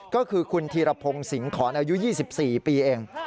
ก็คือคุณธีรพงศ์สิงหอนอายุ๒๔ปีเอง